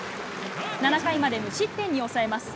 ７回まで無失点に抑えます。